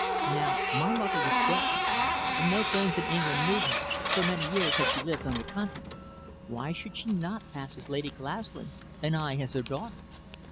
Now my mother was dead, and no friends in England knew her, so many years had she lived on the Continent, why should she not pass as Lady Glaslyn and I as her daughter?